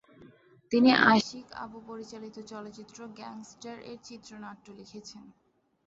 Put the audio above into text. তিনি আশিক আবু পরিচালিত চলচ্চিত্র "গ্যাংস্টার" এর চিত্রনাট্য লিখেছেন।